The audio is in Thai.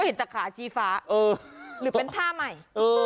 เห็นแต่ขาชี้ฟ้าหรือเป็นท่าใหม่